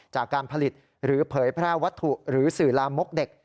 จากการผลิตหรือเผยแพร่วัตถุหรือสื่อลามกเด็ก